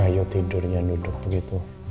ayo tidurnya duduk begitu